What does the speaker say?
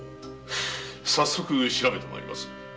早速調べて参ります。